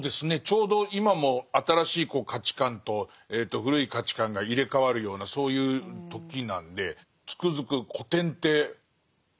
ちょうど今も新しい価値観と古い価値観が入れ代わるようなそういう時なんでつくづく古典って新しいみたいな。